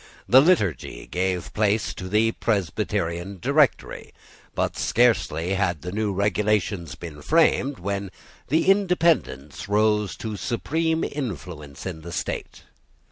The Liturgy gave place to the Presbyterian Directory. But scarcely had the new regulations been framed, when the Independents rose to supreme influence in the state.